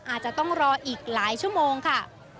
อาจจะต้องรออีกหลายชั่วโมงค่ะ